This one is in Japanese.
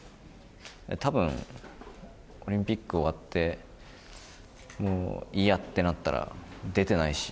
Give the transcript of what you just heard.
たぶんオリンピック終わって、もういいやってなったら出てないし。